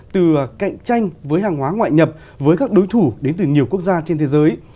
từ cạnh tranh với hàng hóa ngoại nhập với các đối thủ đến từ nhiều quốc gia trên thế giới